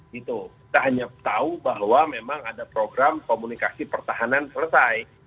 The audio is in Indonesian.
kita hanya tahu bahwa memang ada program komunikasi pertahanan selesai